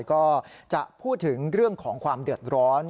ก็จะพูดถึงเรื่องของความเดือดร้อน